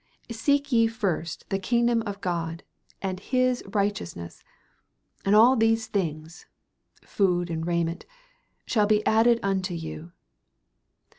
"Seek ye first the kingdom of God and his righteousness, and all these things [food and raiment] shall be added unto you."